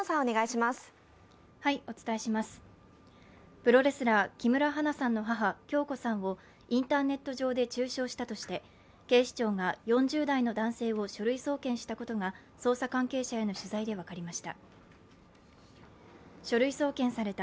プロレスラー・木村花さんの母・響子さんをインターネット上で中傷したとして警視庁が４０代の男性を書類送検したことが捜査関係者への取材で分かりました。